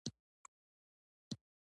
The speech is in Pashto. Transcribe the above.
عدالت د ټولنیز ثبات اساس دی.